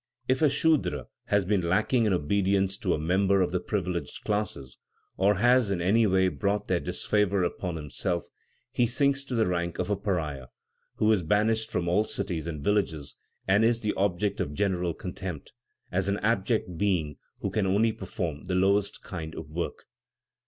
If a Sudra has been lacking in obedience to a member of the privileged classes, or has in any way brought their disfavor upon himself, he sinks to the rank of a pariah, who is banished from all cities and villages and is the object of general contempt, as an abject being who can only perform the lowest kind of work.